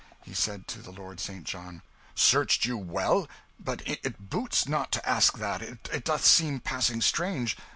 He said to the Lord St. John "Searched you well? but it boots not to ask that. It doth seem passing strange.